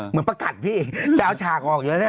เหมือนประกันพี่จะเอาฉากออกอยู่แล้ว